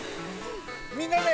みんなで！